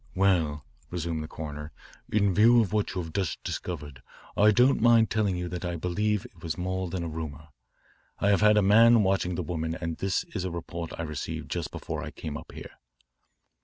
"Well," resumed the coroner, "in view of what you have just discovered I don't mind telling you that I believe it was more than a rumour. I have had a man watching the woman and this is a report I received just before I came up here."